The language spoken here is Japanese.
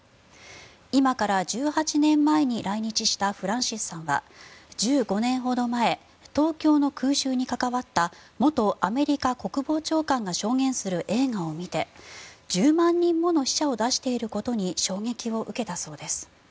今から１８年前に来日したフランシスさんは１５年ほど前東京の空襲に関わった元アメリカ国防長官が証言する映画を見て１０万人もの死者を出していることに衝撃を受けたそうです。